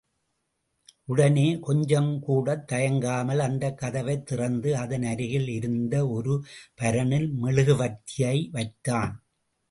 உடனே, கொஞ்சம் கூடத் தயங்காமல் அந்தக் கதவைத் திறந்து அதன் அருகில் இருந்த ஒரு பரணில் மெழுகுவர்த்தியை வைத்தான்.